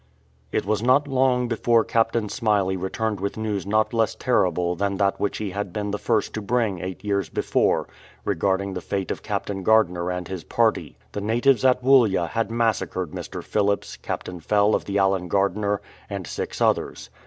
It was not long before Captain Smyley returned with news not less terrible than that which he had been the 261 THE MASSACRE first to bring eight years before regarding the fate of Captain Gardiner and his party. The natives at Woollya had massacred Mr. Phillips, Captain Fell of the Allen Gardiner^ and six others.